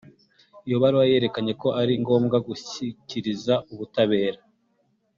iyo baruwa yerekanye ko ari ngombwa gushyikiriza ubutabera